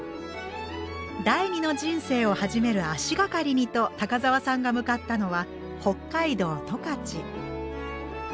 第二の人生を始める足がかりにと高沢さんが向かったのは北海道十勝。